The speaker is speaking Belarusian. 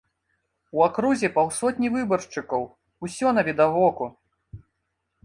У акрузе паўсотні выбаршчыкаў, усё навідавоку!